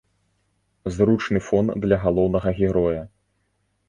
Зручны фон для галоўнага героя.